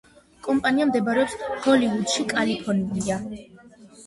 კომპანია მდებარეობს ჰოლივუდში, კალიფორნია.